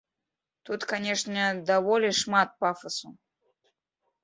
Тут, канешне, даволі шмат пафасу.